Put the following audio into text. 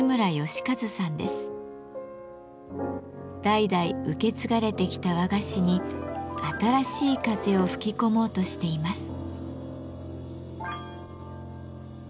代々受け継がれてきた和菓子に新しい風を吹き込もうとしています。